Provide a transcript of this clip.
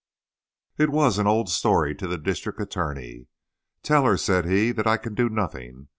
It was an old story to the district attorney. "Tell her," said he, "that I can do nothing.